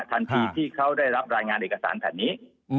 ทันทีที่เขาได้รับรายงานเอกสารแผ่นนี้